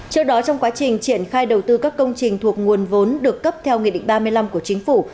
trước đó trong quá trình triển khai đầu tư các công trình thuộc nguồn vốn được cấp theo nghị định ba mươi năm của chính phủ